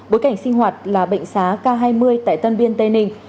bối cảnh sinh hoạt là bệnh xá k hai mươi tại tân biên tây ninh